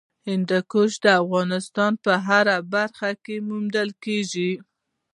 هندوکش د افغانستان په هره برخه کې موندل کېږي.